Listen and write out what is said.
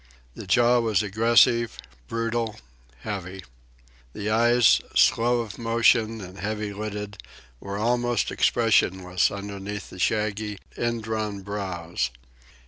The jaw was aggressive, brutal, heavy. The eyes, slow of movement and heavy lidded, were almost expressionless under the shaggy, indrawn brows.